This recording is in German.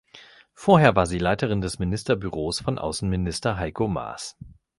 Vorher war sie Leiterin des Ministerbüros von Außenminister Heiko Maas.